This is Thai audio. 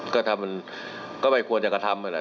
ก็ทำมันก็ไม่ควรจะกระทำ